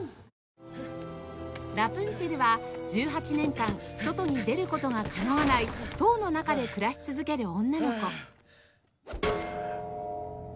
ラプンツェルは１８年間外に出る事がかなわない塔の中で暮らし続ける女の子キャーッ！